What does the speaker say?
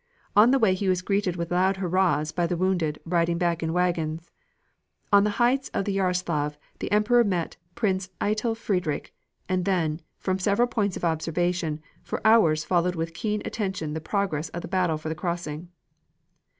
On the way he was greeted with loud hurrahs by the wounded, riding back in wagons. On the heights of Jaroslav the Emperor met Prince Eitel Friedrich, and then, from several points of observation, for hours followed with keen attention the progress of the battle for the crossing."